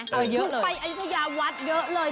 เยอะเลยนะคะเขาไปอายุธยาวัดเยอะเลย